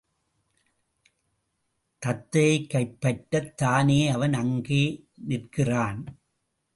தத்தையைக் கைப்பற்றத் தானே அவன் அங்கே நிற்கிறான்?